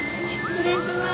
失礼します。